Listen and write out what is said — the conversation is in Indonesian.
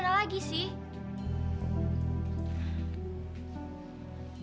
ada apa sih sebenernya